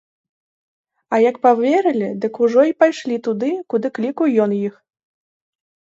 А як паверылі, дык ужо й пайшлі туды, куды клікаў ён іх.